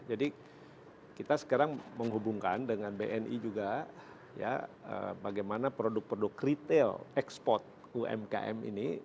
jadi kita sekarang menghubungkan dengan bni juga ya bagaimana produk produk retail export umkm itu